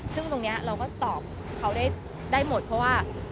ซึ่งตรงนี้เราก็ตอบเขาได้หมดเพราะว่า